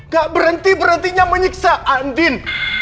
gak berhenti berhentinya menyiksa andin